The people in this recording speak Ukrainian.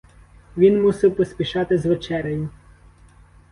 Він мусив поспішати з вечерею.